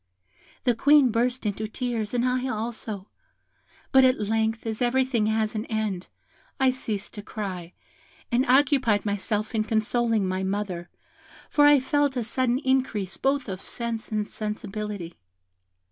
The Queen burst into tears, and I also; but at length, as everything has an end, I ceased to cry, and occupied myself in consoling my mother, for I felt a sudden increase both of sense and sensibility.